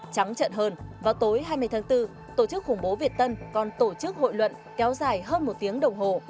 trắng trận hơn vào tối hai mươi tháng bốn tổ chức khủng bố việt tân còn tổ chức hội luận kéo dài hơn một tiếng đồng hồ